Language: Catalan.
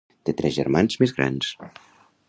Té tres germans més grans.